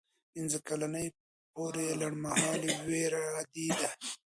پنځه کلنۍ پورې لنډمهاله ویره عادي ده.